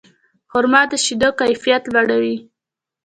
خرما د شیدو کیفیت لوړوي.